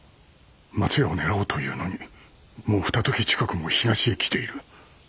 松屋を狙おうというのにもう二刻近くも東へ来ている。